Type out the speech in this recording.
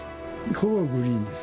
ここグリーンです。